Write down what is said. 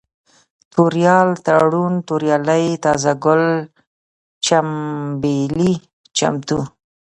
توريال ، تړون ، توريالی ، تازه گل ، چمبېلى ، چمتو